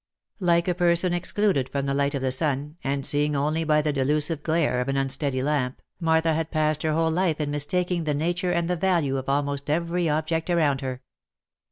Like a person excluded from the light of the sun, and seeing only by the delusive glare of an unsteady lamp, Martha had passed her whole life in mistaking the nature and the value of almost every object around her.